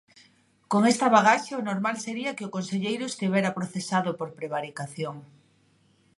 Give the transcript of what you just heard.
Con esta bagaxe o normal sería que o Conselleiro estivera procesado por prevaricación.